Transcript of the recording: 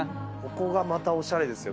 ここがまたおしゃれです。